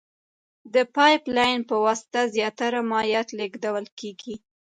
د پایپ لین په واسطه زیاتره مایعات لېږدول کیږي.